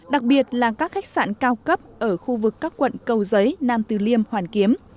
đặc biệt là các khách sạn cao cấp ở khu vực các quận cầu giấy nam từ liêm hoàn kiếm